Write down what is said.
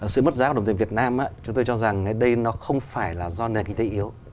sự mất giá của đồng tiền việt nam chúng tôi cho rằng đây nó không phải là do nền kinh tế yếu